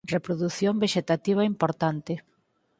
Reprodución vexetativa importante.